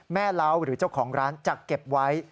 แม่เลาะหรือเจ้าของร้านจักรเก็บไว้